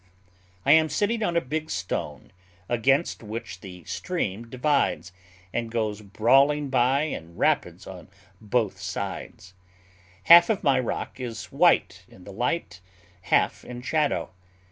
I am sitting on a big stone, against which the stream divides, and goes brawling by in rapids on both sides; half of my rock is white in the light, half in shadow.